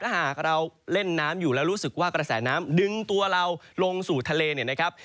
ถ้าหากเราเล่นน้ำอยู่แล้วรู้สึกว่ากระแสน้ำดึงตัวเราลงสู่ทะเลเนี่ยนะครับ